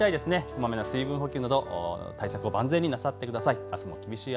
こまめな水分補給など対策を万全になさってください。